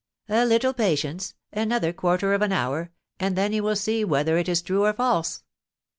"A little patience, another quarter of an hour, and then you will see whether it is true or false."